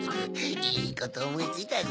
いいことおもいついたぞ。